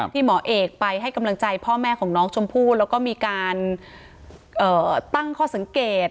หมอเอกไปให้กำลังใจพ่อแม่ของน้องชมพู่แล้วก็มีการตั้งข้อสังเกต